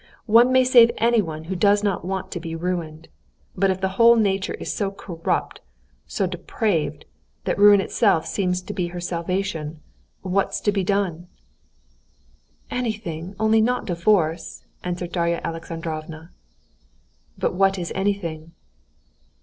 "One may save anyone who does not want to be ruined; but if the whole nature is so corrupt, so depraved, that ruin itself seems to be her salvation, what's to be done?" "Anything, only not divorce!" answered Darya Alexandrovna "But what is anything?"